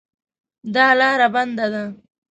دا لار بنده ده